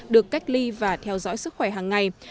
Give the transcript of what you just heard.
được cách ly và theo dõi sức khỏe hàng ngày